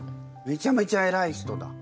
めちゃめちゃえらい人だ。